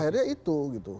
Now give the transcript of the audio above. akhirnya itu gitu